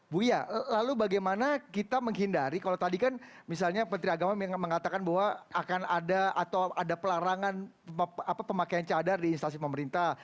buya lalu bagaimana kita menghindari kalau tadi kan misalnya menteri agama mengatakan bahwa akan ada atau ada pelarangan pemakaian cadar di instansi pemerintah